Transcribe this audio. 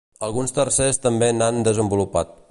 Alguns tercers també n'han desenvolupat.